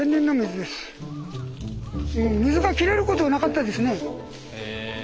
水が切れることなかったですね。